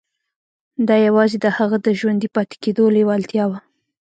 دا یوازې د هغه د ژوندي پاتې کېدو لېوالتیا وه